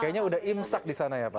kayaknya udah imsak di sana ya pak